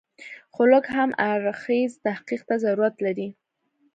خو لږ هر اړخیز تحقیق ته ضرورت لري.